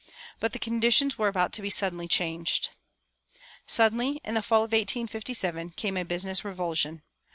But the conditions were about to be suddenly changed. Suddenly, in the fall of 1857, came a business revulsion.